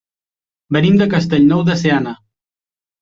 Venim de Castellnou de Seana.